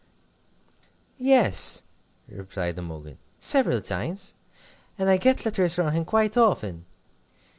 "Yes," replied Imogen, "several times. And I get letters from him quite often.